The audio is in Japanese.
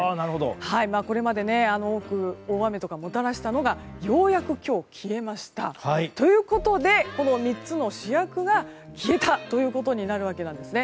これまで大雨とかをもたらしたのがようやく今日消えました。ということで、この３つの主役が消えたということになるわけです。